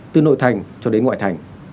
từ nội thành cho đến ngoại thành